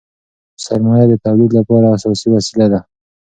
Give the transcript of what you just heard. سرمایه د تولید لپاره اساسي وسیله ده.